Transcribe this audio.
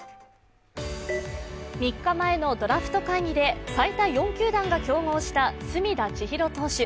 ３日前のドラフト会議で最多４球団が競合した隅田知一郎投手。